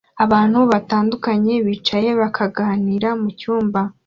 Abantu batandukanye bicaye bakaganira mucyumba